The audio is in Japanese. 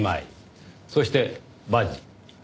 そしてバッジ。